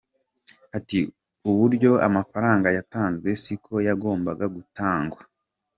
Ati “Uburyo amafaranga yatanzwe siko yagombaga gutangwa.